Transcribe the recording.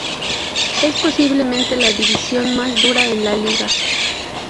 Es posiblemente la división más dura en la liga.